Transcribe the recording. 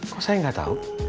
kok saya gak tau